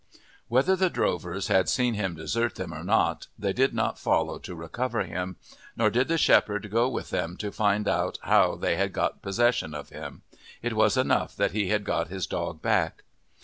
Whether the drovers had seen him desert them or not, they did not follow to recover him, nor did the shepherd go to them to find out how they had got possession of him; it was enough that he had got his dog back.